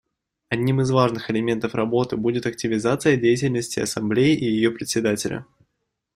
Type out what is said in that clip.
Одним из важных элементов работы будет активизация деятельности Ассамблеи и ее Председателя.